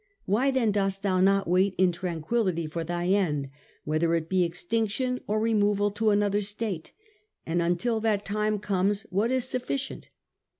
Why then dost thou not wait in tranquillity for thy end, whether it be extinction or removal to another state? And until that time comes, what is sufficient